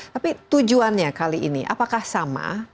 tapi tujuannya kali ini apakah sama